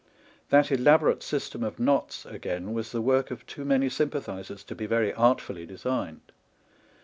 That elaborate system of knots, again, was the work of too many sympathisers to be very artfully designed.